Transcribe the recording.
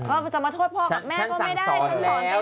ว่าจะมาโทษพ่อกับแม่ก็ไม่ได้ฉันสอน